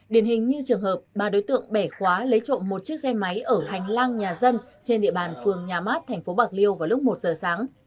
điển hình như trường hợp ba đối tượng bẻ khóa lấy trộm một chiếc xe máy ở hành lang nhà dân trên địa bàn phường nhà mát tp bạc liêu vào lúc một giờ sáng